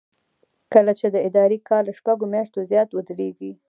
کله چې د ادارې کار له شپږو میاشتو زیات ودریږي.